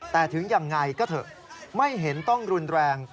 แต่ถึงยังไงก็เถอะไม่เห็นต้องรุนแรง